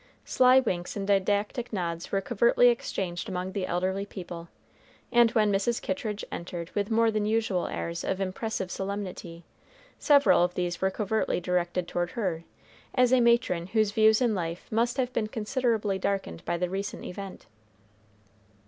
Sly winks and didactic nods were covertly exchanged among the elderly people, and when Mrs. Kittridge entered with more than usual airs of impressive solemnity, several of these were covertly directed toward her, as a matron whose views in life must have been considerably darkened by the recent event.